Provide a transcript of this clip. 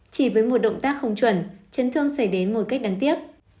chỉ với một động tác không chuẩn chấn thương xảy đến ngồi cách đáng tiếc